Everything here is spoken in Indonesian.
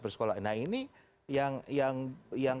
bersekolah nah ini yang